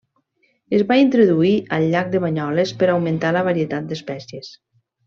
Es va introduir al llac de Banyoles per augmentar la varietat d’espècies.